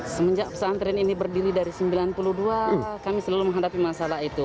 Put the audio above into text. semenjak pesantren ini berdiri dari sembilan puluh dua kami selalu menghadapi masalah itu